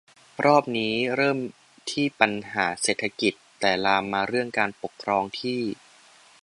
รอบนี้เริ่มที่ปัญหาเศรษฐกิจ แต่ลามมาเรื่องการปกครองที่